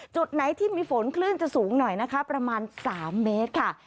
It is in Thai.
จุดไหนที่มีฝนคลื่นจะสูงหน่อยนะคะประมาณ๓เมตรค่ะ